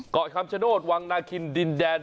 เกาะคำชโนธวังนาคินดินแดน